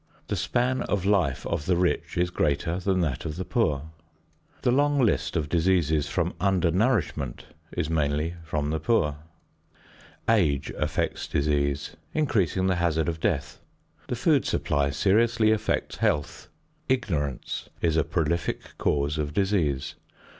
The span of life of the rich is greater than that of the poor. The long list of diseases from under nourishment is mainly from the poor. Age affects disease, increasing the hazard of death. The food supply seriously affects health. Ignorance is a prolific cause of disease.